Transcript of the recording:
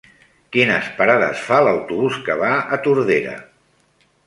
Quines parades fa l'autobús que va a Tordera?